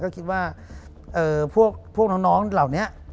ก็คิดว่าพวกน้องเหล่านี้